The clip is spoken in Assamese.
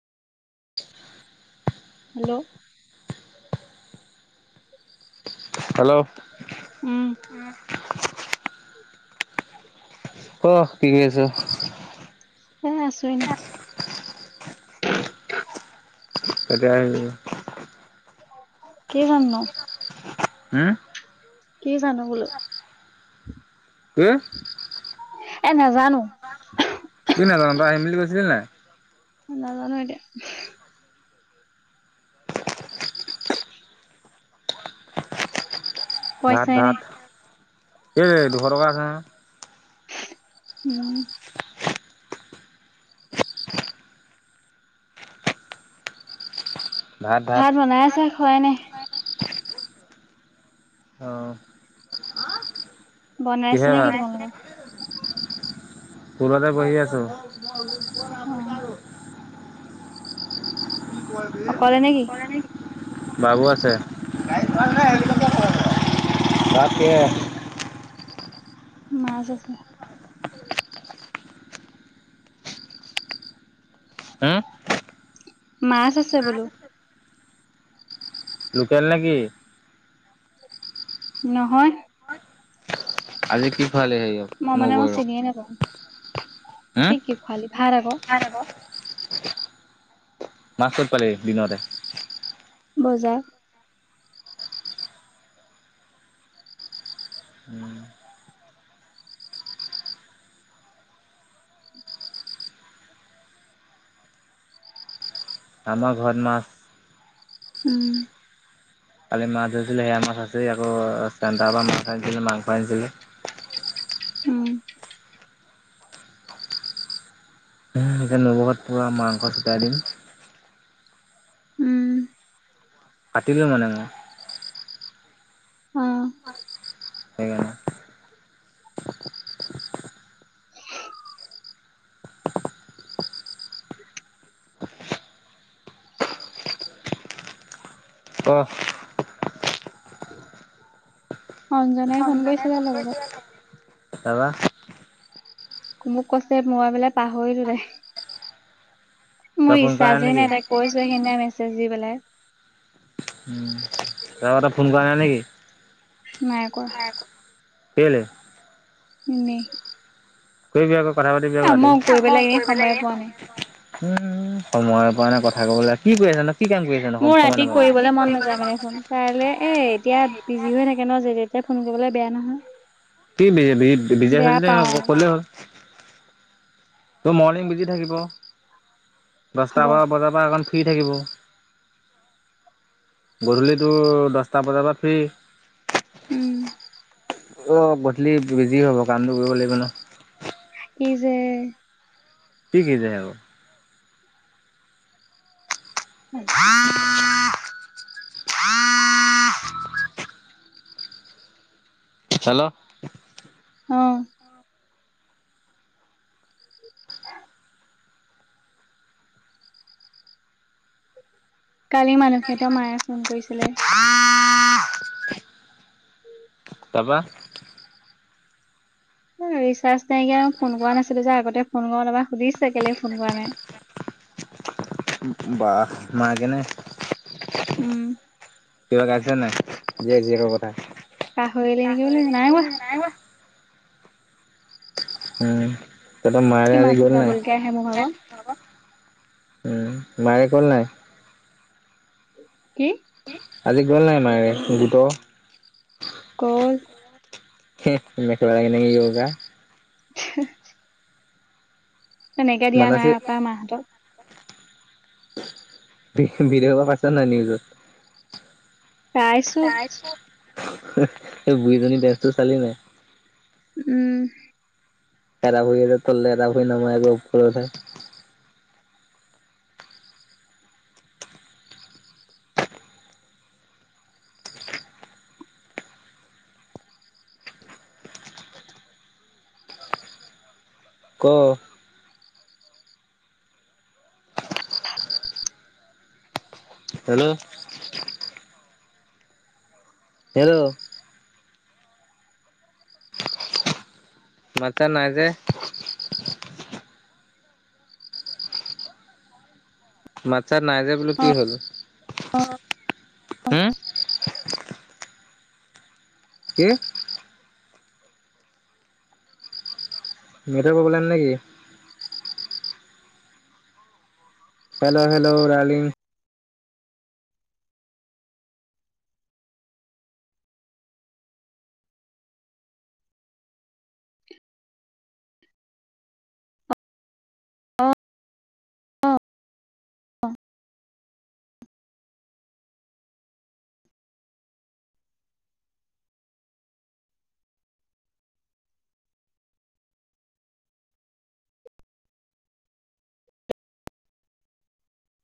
হেল্ল' হেল্ল' উম ক কি কৰি আছ এ আছো এনে এতিয়া আহিলো কেইজননো। হম কি জানো বোলো। হম এ নাজানো। তই নাজান [unintelligible] মিলি গৈছিলি নে নাই নাজানো এতিয়া ভাত পইচাই নাই ভাত এই দুশ টকা আছে নহ। উম। ভাত বনাই আছে। খোৱাই নাই। অ। বনাই আছে কিহে নেকি ভাত? তোমালোকৰ টুলতে বহি আছো। অ অকলে নেকি [inaudible] বাবু আছে উম। [unintelligible] তাকেহ। মাছ আছে। হুম মাছ আছে বোলো। লোকেল নেকি? নহয়। আজি কি খোৱালি হেৰিয়ক মই মানে মই নবৌৱেৰক? চিনিয়ে নাপাওঁ। হুম কি কি খুৱালি, ভাত আকৌ। মাছ ক'ত পালি দিনতে। বজাৰ আমাৰ ঘৰত মাছ উম। কালি মাছ ধৰিছিলে সেয়া মাছ আছে আকৌ [unintelligible] পৰা মাছ আনিছিলে মাংস আনিছিলে উম। উম এতিয়া নৱগাট পুৰা আমাৰ। হয় ফুটাই দিম। উম। পতিলো মানে মই। অ। সেইকাৰণে। কহ। অঞ্জাই ফোন কৰিছিলা লগত', হয়বা। মোক কৈছে মই পেলাই পাহৰিলো দে। তই মোৰ ফোন কৰা ইচ্ছা, নাই নেকি? যেনে তাইক কৈছোয়ে, সেইনা মেছ আ য পেলাই উম ত এটা ফোন কৰা নাই নেকি? নাই কৰা। তেওঁলে এনেই। সেই য আ। কথা-পাতি, বিয়া আ পাতিম। মই এ কৰি পেলাই ম‌ওঁ এনেই সময়ে কৰিবলেগে পোৱা হোৱা নাই আকৌ। উম সময়ৰ পৰাণে কথা কবলৈ কি কৈ আছানো? মোৰ ৰাতি কৰিবলৈ মন নাযায় মানে দেখোন কাইলৈ এ এতিয়া বিজী হৈ থাকে ন। যে-তেতিয়া ফোন কৰিবলৈ বেয়া নহয়। কিজ বিজিয় চ বেয়া নে পাও ক'লে হ'ল তোৰ মৰ্ণিং বুজি থাকিব। দহটা হ'ব বাৰ বজাৰ পৰা এন ফ্ৰী থাকিব গধূলিটো দহটা বজাৰ পৰা ফ্ৰী উম। অ', গধূলি বিজী হ'ব কামটো কৰিব লাগিব ন। ই যে। কি, কি যে আকৌ। [inaudible] হেল্ল'। অঁ। কালি মানসিয়ে টো মায়ে ফোন কৰিছিলে। তাৰপা ৰিচাৰ্জ নাইকা ফোন কৰা নাছিলো যে আগতে ফোন কৰ নো সুধিছে কেলে ফোন কৰা নাই বাহ মাগেনে উম। কিবা ক আছে নাই জীয়েক জীয়েকৰ কথা। পাহৰিলে নেকি বোলে। নাই হোৱা। উম। কিয়, তোৰ কি মায়েৰাই আজি মাতটো গ'ল ডাবুলকে আহে মোৰ ভাগৰ নাই। নাৰিকল নাই। কি? আজি গ'ল নাই, মায়েৰে গটো হ'ল। মেখেলা ল কিন যয়োগা। হ। তেনেকে দিয়া নাই। মানসী আপা, মাকহঁতক। বিদ-বিদেশৰ পাইছানে নাই নিউজত। চাইছো তাইৰ চব। এই বুঢ়িজনীৰ ডেঞ্চটো চালি নে নাই। উম। এটা ভৰি আছে তললে, এটা ভৰি নমাই আকৌ ওপৰত উঠাই ক হেল্লো, হেল্ল'। মাট চাত নাই যে। মাত। তাৰ নাই যে, বোলো অ কি হ'ল? হুম কি। নেটৰ প্ৰব্লেম নেকি? হেল্লো হেল্লো দালিং অ অ অ